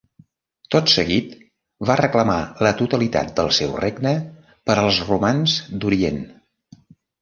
Tot seguit, va reclamar la totalitat del seu regne per als romans d'Orient.